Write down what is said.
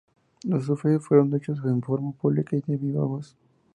Los sufragios fueron hechos en forma pública y de viva voz.